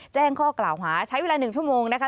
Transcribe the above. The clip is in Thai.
แจ้งข้อกล่าวหาใช้เวลา๑ชั่วโมงนะคะ